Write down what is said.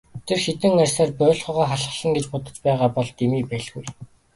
Тэр хэдэн арьсаар боольхойгоо халхална гэж бодож байгаа бол дэмий байлгүй.